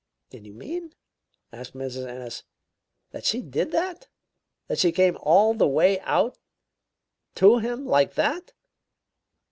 "And you mean," asked Mrs. Ennis, "that she did that? That she came all the way out to him, like that?"